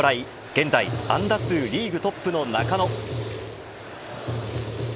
現在、安打数リーグトップの中野。